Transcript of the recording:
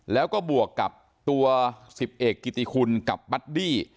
แล้วก็บวกกับตัว๑๐เอกกิติคุณกับบัดดี้